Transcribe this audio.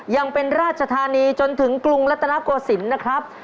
ยังเป็นราชธานีจนถึงกรุงรัฐนาโกศิลป์นะครับ